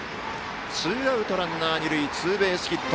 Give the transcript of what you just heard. ツーアウト、ランナー、二塁ツーベースヒット。